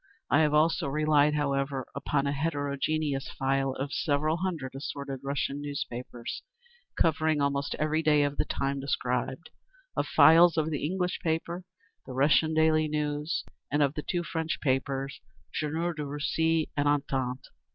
I have also relied, however, upon a heterogeneous file of several hundred assorted Russian newspapers, covering almost every day of the time described, of files of the English paper, the Russian Daily News, and of the two French papers, Journal de Russie and _Entente.